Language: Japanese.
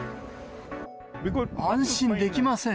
安心できません。